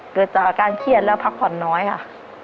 เกิดจากอาการเครียดและพักผ่อนน้อยค่ะ